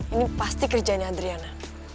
ini pasti kerjaannya adriana